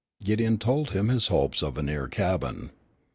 Gideon told him his hopes of a near cabin.